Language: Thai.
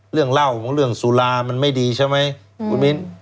เรื่องเล่าของเรื่องสุรามันไม่ดีใช่ไหมคุณมิ้น